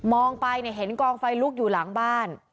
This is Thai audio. ไปเห็นกองไฟลุกอยู่หลังบ้าน